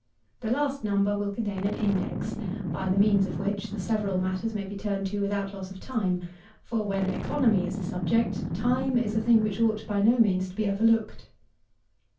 The last Number will contain an Index, by the means of which the several matters may be turned to without loss of time; for, when economy is the subject, time is a thing which ought by no means to be overlooked.